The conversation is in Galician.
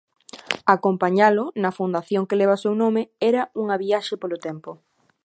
Acompañalo, na Fundación que leva o seu nome, era unha viaxe polo tempo.